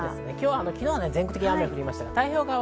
昨日は全国的に雨が降りました。